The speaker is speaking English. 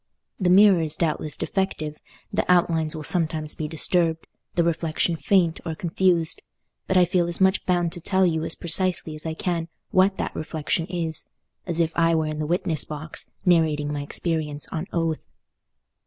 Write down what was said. The mirror is doubtless defective, the outlines will sometimes be disturbed, the reflection faint or confused; but I feel as much bound to tell you as precisely as I can what that reflection is, as if I were in the witness box, narrating my experience on oath.